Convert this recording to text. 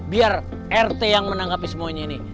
biar rt yang menanggapi semuanya ini